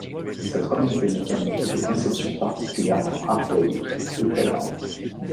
Cette remontée mécanique est de conception particulièrement archaïque, et est lente.